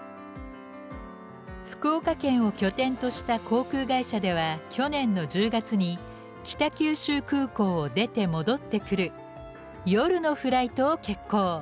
福岡県を拠点とした航空会社では去年の１０月に北九州空港を出て戻ってくる夜のフライトを決行。